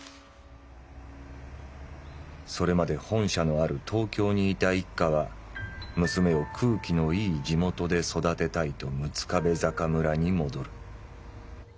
「それまで本社のある東京にいた一家は娘を空気のいい地元で育てたいと六壁坂村に戻る」。